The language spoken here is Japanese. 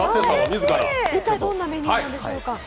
一体どんなメニューなんでしょうか？